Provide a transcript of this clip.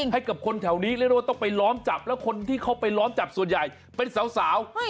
ให้กับคนแถวนี้เรียกได้ว่าต้องไปล้อมจับแล้วคนที่เข้าไปล้อมจับส่วนใหญ่เป็นสาว